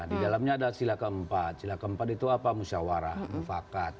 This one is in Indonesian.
di dalamnya ada sila keempat sila keempat itu apa musyawarah mufakat